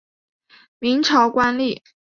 明朝官吏。